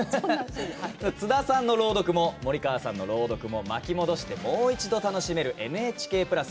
津田さんの朗読も森川さんの朗読も巻き戻してもう一度、楽しめる「ＮＨＫプラス」。